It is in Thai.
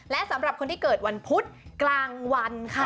และสำหรับคนที่เกิดวันพุธกลางวันค่ะ